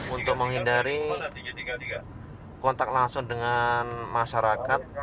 untuk menghindari kontak langsung dengan masyarakat